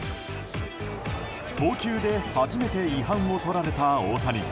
投球で初めて違反をとられた大谷。